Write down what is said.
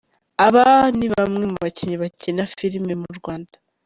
Aba nibamwe mu bakinnyi bakina amafilme mu Rwanda